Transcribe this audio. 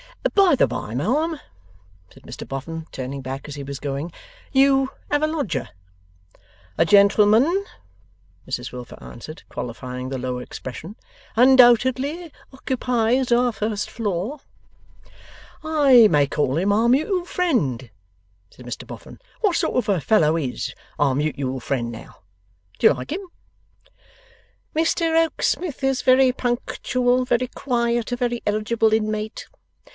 'By the bye, ma'am,' said Mr Boffin, turning back as he was going, 'you have a lodger?' 'A gentleman,' Mrs Wilfer answered, qualifying the low expression, 'undoubtedly occupies our first floor.' 'I may call him Our Mutual Friend,' said Mr Boffin. 'What sort of a fellow IS Our Mutual Friend, now? Do you like him?' 'Mr Rokesmith is very punctual, very quiet, a very eligible inmate.